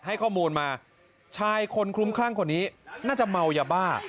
ให้ข้อมูลมาชายคนคลุ้มคลั่งคนนี้น่าจะเมายาบ้า